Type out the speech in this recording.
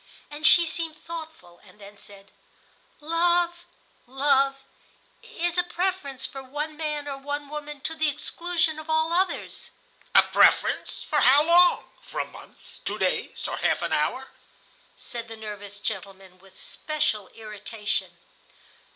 And she seemed thoughtful, and then said: "Love ... love ... is a preference for one man or one woman to the exclusion of all others. ..." "A preference for how long? ... For a month, two days, or half an hour?" said the nervous gentleman, with special irritation.